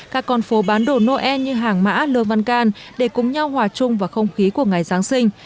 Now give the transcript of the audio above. các con phố bán đồ noel như hàng mã lương văn can để cùng nhau hòa chung vào không khí của ngày giáng sinh